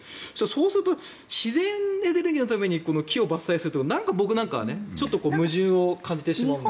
そうすると自然エネルギーのために木を伐採するってなんか僕なんかは矛盾を感じてしまう。